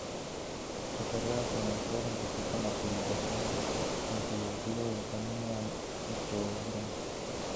Su carrera como autor empezó con la publicación del controvertido "El camino al hipódromo".